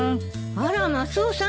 あらマスオさん